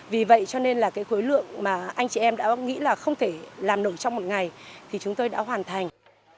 vì vậy cho nên là cái khối lượng mà anh chị em đã nghĩ là không thể làm nổi trong một ngày thì chúng tôi đã hoàn thành